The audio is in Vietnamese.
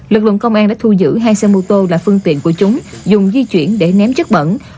lực lượng công an đã thu giữ hai xe mô tô là phương tiện của chúng dùng di chuyển để ném chất bẩn